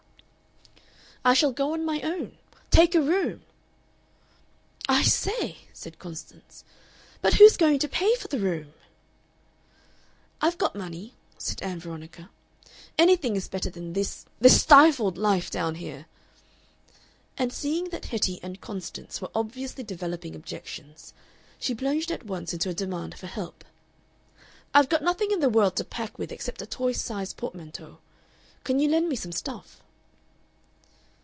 "I shall go on my own. Take a room!" "I say!" said Constance. "But who's going to pay for the room?" "I've got money," said Ann Veronica. "Anything is better than this this stifled life down here." And seeing that Hetty and Constance were obviously developing objections, she plunged at once into a demand for help. "I've got nothing in the world to pack with except a toy size portmanteau. Can you lend me some stuff?"